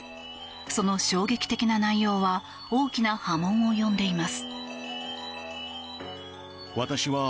その衝撃的な内容は大きな波紋を呼んでいます。